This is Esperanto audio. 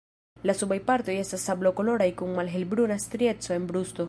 La subaj partoj estas sablokoloraj kun malhelbruna strieco en brusto.